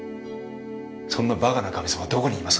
そんなバカな神様どこにいます？